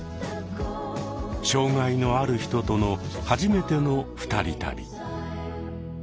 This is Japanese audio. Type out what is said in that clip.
障害のある人との初めての二人旅。